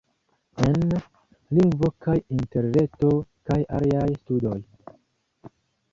En: Lingvo kaj Interreto kaj aliaj studoj.